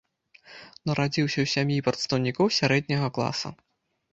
Нарадзіўся ў сям'і прадстаўнікоў сярэдняга класа.